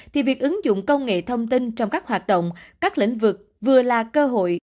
thì việc ứng dụng công nghệ thông tin trong các hoạt động các lĩnh vực vừa là cơ hội